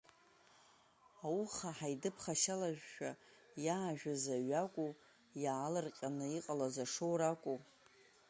Ауха ҳаидыԥхашьалашәа иаажәыз аҩы акәу, иаалырҟьаны иҟалаз ашоура акәу.